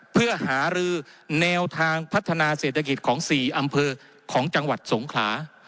เพื่อหารือแนวทางพัฒนาเศรษฐกิจของ๔อำเภอของจังหวัดสงขลา